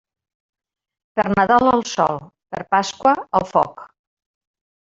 Per Nadal al sol, per Pasqua al foc.